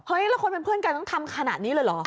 แล้วคนเป็นเพื่อนกันต้องทำขนาดนี้เลยเหรอ